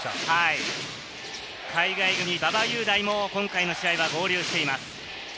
海外組、馬場雄大も今回の試合は合流しています。